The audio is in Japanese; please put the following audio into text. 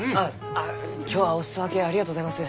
あ今日はお裾分けありがとうございます。